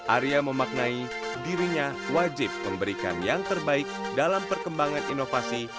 arya memaknai dirinya wajib memberikan yang terbaik dalam perkembangan inovasi